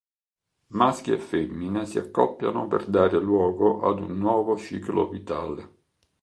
Maschi e femmine si accoppiano per dare luogo ad nuovo ciclo vitale.